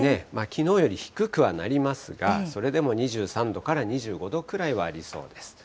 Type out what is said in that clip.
きのうより低くはなりますが、それでも２３度から２５度くらいはありそうです。